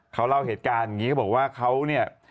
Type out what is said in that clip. เขาเล่าเหตุการณ์อย่างนี้